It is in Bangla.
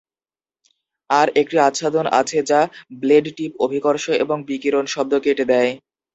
এর একটি আচ্ছাদন আছে যা ব্লেড-টিপ অভিকর্ষ এবং বিকিরণ শব্দ কেটে দেয়।